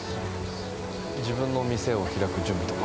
自分の店を開く準備とか。